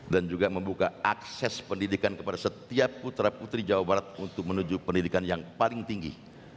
dan juga membuka akses pendidikan kepada setiap putra putri jawa barat untuk menuju pendidikan yang paling tinggi